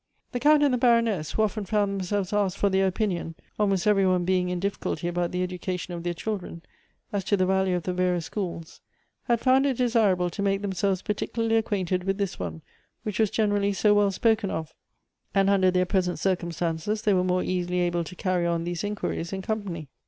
The Count and the Baroness, who often found them selves asked for their opinion, almost every one being in difficulty about the education of their children, as to the value of the various schools, had found it desirable to make themselves particularly acquainted with this one, which was generally so well spoken of; and under their present circumstances, they were more easily able to carry on these inquiries in company.